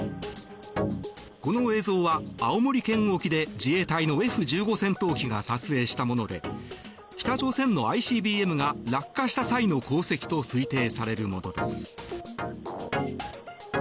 この映像は青森県沖で自衛隊のＦ１５戦闘機が撮影したもので北朝鮮のＩＣＢＭが落下した際の航跡と推定されるものです。